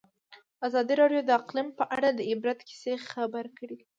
ازادي راډیو د اقلیم په اړه د عبرت کیسې خبر کړي.